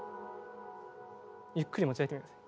ゆっくり持ち上げてみてください。